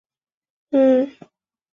顾全武终官指挥使。